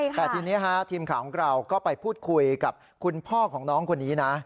แต่ทีนี้ทีมข่าวของเราก็ไปพูดคุยกับคุณพ่อของน้องคนนี้นะ